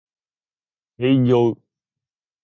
営業